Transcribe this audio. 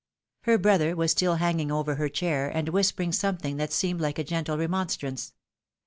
Her brother was stm hanging over her chair, and whispering something that seemed like a gentle remonstrance.